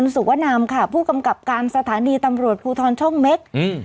สุวนามค่ะผู้กำกับการสถานีตำรวจภูทรช่องเม็กอืม